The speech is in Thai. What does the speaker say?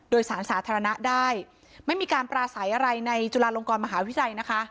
โดยสารสาธารณะได้ไม่มีการปราศัยอะไรในจุฬาลงกรมหาวิทยาลัยนะคะ